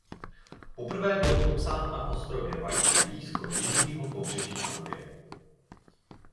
Poprvé byl popsán na ostrově Wight blízko jižního pobřeží Anglie.